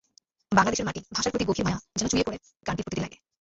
বাংলাদেশের মাটি, ভাষার প্রতি গভীর মায়া যেন চুইয়ে পড়ে গানটির প্রতিটি লাইনে।